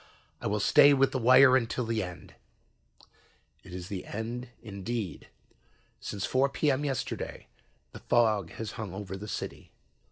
"I will stay with the wire until the end. "It is the end, indeed. Since 4 P.M. yesterday the fog has hung over the city.